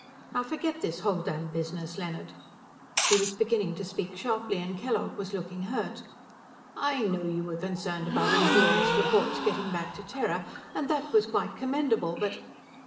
Now forget this whole damned business, Leonard!" He was beginning to speak sharply, and Kellogg was looking hurt. "I know you were concerned about injurious reports getting back to Terra, and that was quite commendable, but...."